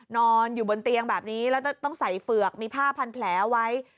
นอนอยู่บนเตียงแบบนี้แล้วต้องใส่เฝือกมีผ้าพันแผลไว้